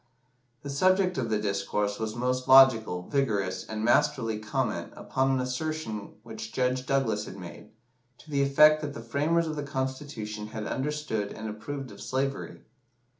The subject of the discourse was most logical, vigorous, and masterly comment upon an assertion which Judge Douglas had made, to the effect that the framers of the Constitution had understood and approved of slavery.